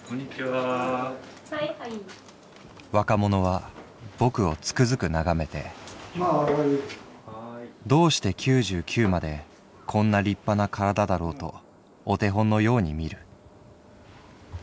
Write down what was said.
「若者はぼくをつくづく眺めてどうして九十九までこんな立派な体だろうとお手本のように見る」。